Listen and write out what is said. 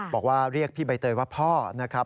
บอกว่าเรียกพี่ใบเตยว่าพ่อนะครับ